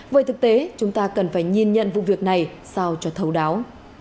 vậy thực tế chúng ta cần phải nhìn nhận vụ việc này sao cho thấu đáo